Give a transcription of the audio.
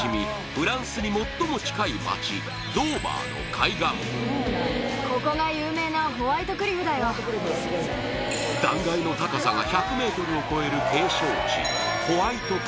フランスに最も近い街ドーバーの海岸部断崖の高さが１００ｍを超える景勝地